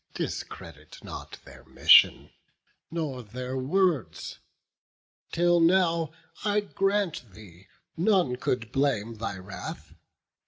Discredit not their mission, nor their words. Till now, I grant thee, none could blame thy wrath.